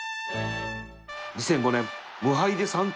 ２００５年無敗で三冠を達成